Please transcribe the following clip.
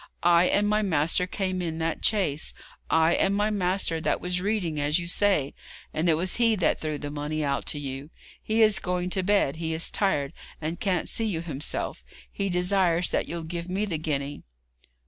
I and my master came in that chaise. I and my master that was reading, as you say, and it was he that threw the money out to you. He is going to bed; he is tired, and can't see you himself. He desires that you'll give me the guinea.'